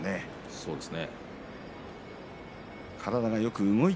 そうですね。